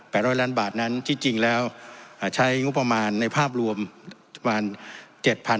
แปดร้อยล้านบาทนั้นที่จริงแล้วใช้งุปหมานในภาพรวมประมาณเจ็ดครับ